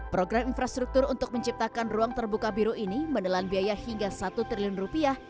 program infrastruktur untuk menciptakan ruang terbuka biru ini menelan biaya hingga satu triliun rupiah